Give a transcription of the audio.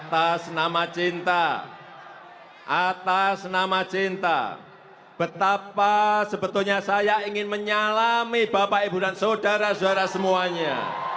atas nama cinta atas nama cinta betapa sebetulnya saya ingin menyalami bapak ibu dan saudara saudara semuanya